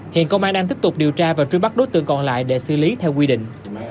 hiện công an đang tiếp tục điều tra và truy bắt đối tượng còn lại để xử lý theo quy định